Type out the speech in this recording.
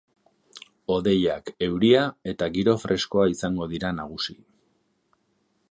Hodeiak, euria eta giro freskoa izango dira nagusi.